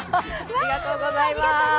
ありがとうございます。